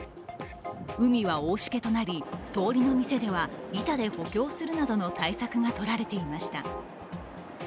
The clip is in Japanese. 海は大しけとなり、通りの店では板で補強するなどの対策がとられていました。